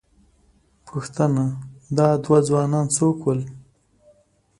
_پوښتنه، دا دوه ځوانان څوک ول؟